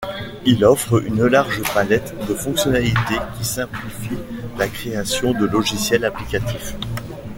Il offre une large palette de fonctionnalités qui simplifient la création de logiciels applicatif.